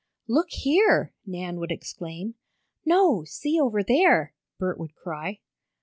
"Look here!" Nan would exclaim. "No, see over there!" Bert would cry.